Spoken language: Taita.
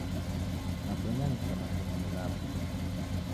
Nabonya nicha mashomonyi ghapo.